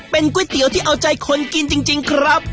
เป็นก๋วยเตี๋ยวที่เอาใจคนกินจริงครับ